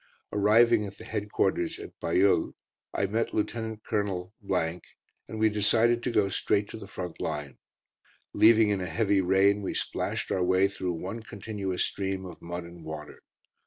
Arriving at the headquarters at Bailleul, I met Lieutenant Colonel , and we decided to go straight to the front line. Leaving in a heavy rain, we splashed our way through one continuous stream of mud and water.